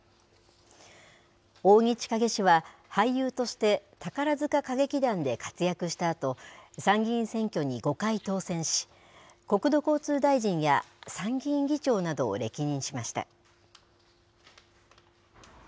扇千景氏は、俳優として宝塚歌劇団で活躍したあと、参議院選挙に５回当選し、国土交通大臣や参議院議長などを歴任しました。